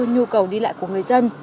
nhu cầu đi lại của người dân